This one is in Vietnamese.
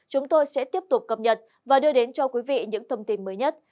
chúng tôi sẽ tiếp tục cập nhật và đưa đến cho quý vị những thông tin mới nhất